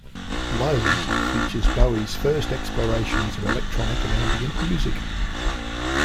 "Low" features Bowie's first explorations of electronic and ambient music.